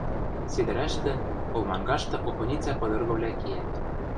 Седӹрӓштӹ, олмангашты охоницӓ пыдыргывлӓ киӓт.